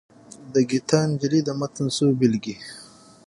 د ګیتا نجلي د متن څو بېلګې.